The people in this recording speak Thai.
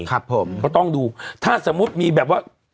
ก็ต้องดูถ้าสมมุติมีแบบว่า